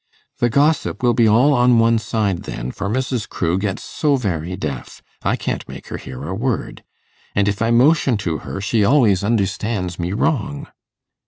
'The gossip will be all on one side, then, for Mrs. Crewe gets so very deaf, I can't make her hear a word. And if I motion to her, she always understands me wrong.